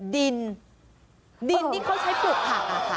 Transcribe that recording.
ดินดินที่เขาใช้ปลูกผัก